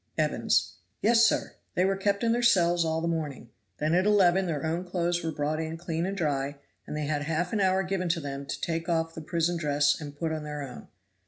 Evans. "Yes, sir! They were kept in their cells all the morning; then at eleven their own clothes were brought in clean and dry, and they had half an hour given them to take off the prison dress and put on their own.